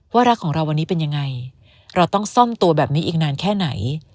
รักของเราวันนี้เป็นยังไงเราต้องซ่อมตัวแบบนี้อีกนานแค่ไหน